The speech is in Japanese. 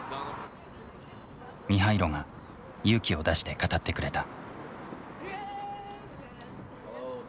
ミハイロが勇気を出して語ってくれた。